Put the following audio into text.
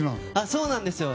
そうなんですよ。